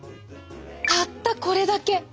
たったこれだけ。